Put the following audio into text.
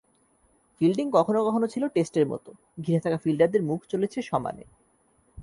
Fielding কখনো কখনো ছিল টেস্টের মতো, ঘিরে থাকা ফিল্ডারদের মুখ চলেছে সমানে।